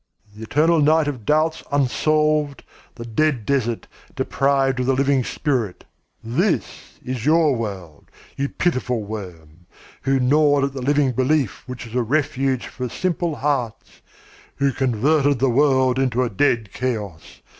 The eternal night of doubts unsolved, the dead desert, deprived of the living spirit this is your world, you pitiful worm, who gnawed at the living belief which was a refuge for simple hearts, who converted the world into a dead chaos.